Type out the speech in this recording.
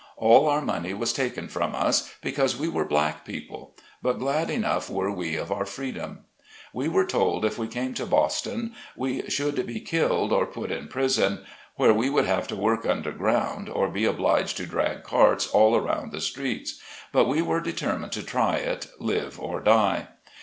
All our money was taken from us, because we were black people ; but glad enough were we of our freedom. We were told if we came to Boston, we should be killed, or put in prison, where we should have to work under ground or be obliged to drag carts all round the streets ; but we were determined to try it, live or die.